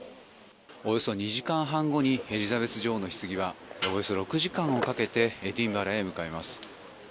およそ２時間半後にエリザベス女王のひつぎがおよそ６時間をかけてエディンバラへ向かいます。